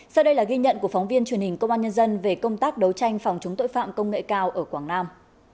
sau đây là ghi nhận của phóng viên truyền hình công an nhân dân về công tác đấu tranh phòng chống tội phạm công nghệ cao ở quảng nam